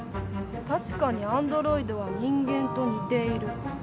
確かにアンドロイドは人間と似ている。